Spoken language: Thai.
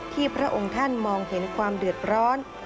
พระองค์ท่านมองเห็นความเดือดร้อน